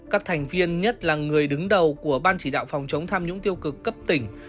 các thành viên nhất là người đứng đầu của ban chỉ đạo phòng chống tham nhũng tiêu cực cấp tỉnh